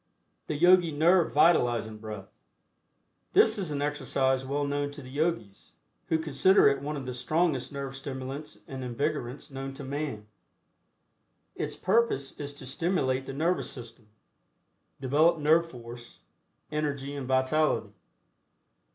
THE YOGI NERVE VITALIZING BREATH. This is an exercise well known to the Yogis, who consider it one of the strongest nerve stimulants and invigorants known to man. Its purpose is to stimulate the Nervous System, develop nerve force, energy and vitality.